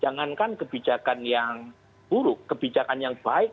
jangankan kebijakan yang buruk kebijakan yang baik